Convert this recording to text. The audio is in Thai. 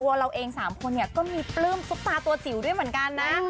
เราเอง๓คนเนี่ยก็มีปลื้มซุปตาตัวจิ๋วด้วยเหมือนกันนะ